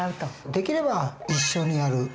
できれば一緒にやる。